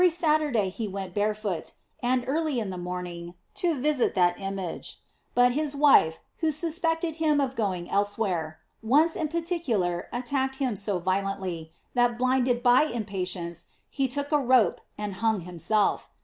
Saturday he went barefoot, and early in the morning, to visit that image; but his wife, who suspected him of going elsewhere, once in par ticular, attacked him so violently, that blinded by impatience, he took a rope and hung himself.